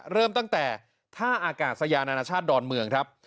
เริ่มตั้งแต่ท่าอากาศยานานาชาติดอนเมืองครับ